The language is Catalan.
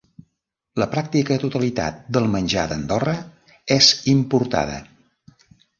La pràctica totalitat del menjar d'Andorra és importada.